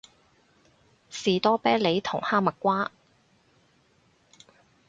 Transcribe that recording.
士多啤梨同哈蜜瓜